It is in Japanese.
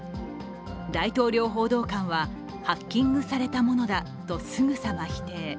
大統領報道官はハッキングされたものだとすぐさま否定。